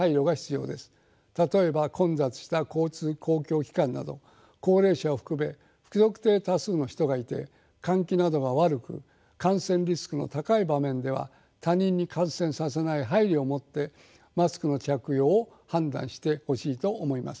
例えば混雑した公共交通機関など高齢者を含め不特定多数の人がいて換気などが悪く感染リスクの高い場面では他人に感染させない配慮をもってマスクの着用を判断してほしいと思います。